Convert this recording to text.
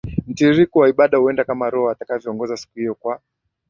mtiririko wa ibada huenda kama Roho atakavyoongoza siku hiyo Kwa